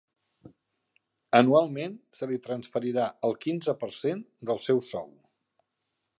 Anualment se li transferirà el quinze per cent del seu sou.